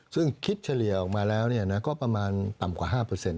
ซึ่งคิดเฉลี่ยออกมาแล้วก็ประมาณต่ำกว่า๕